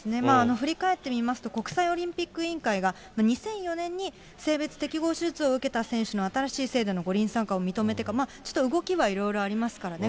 振り返ってみますと、国際オリンピック委員会が、２００４年に性別適合手術を受けた選手の新しい制度で五輪参加を認めてから、ちょっと動きはいろいろありますからね。